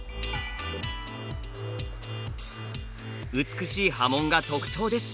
美しい刃文が特徴です。